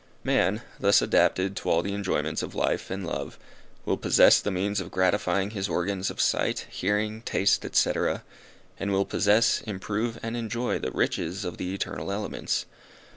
Man, thus adapted to all the enjoyments of life and love, will possess the means of gratifying his organs of sight, hearing, taste, &c., and will possess, improve and enjoy the riches of the eternal elements.